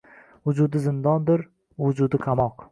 Vujudi zindondir, vujudi – qamoq.